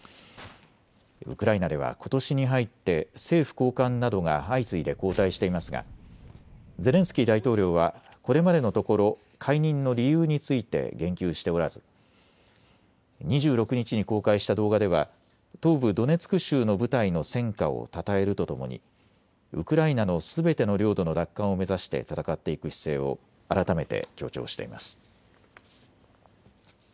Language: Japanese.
ウクライナではことしに入って政府高官などが相次いで交代していますがゼレンスキー大統領はこれまでのところ、解任の理由について言及しておらず２６日に公開した動画では東部ドネツク州の部隊の戦果をたたえるとともにウクライナのすべての領土の奪還を目指して戦っていく姿勢を改めて強調しています。